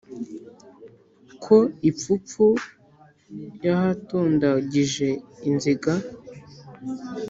Ku ipfupfu yahatondagije inziga,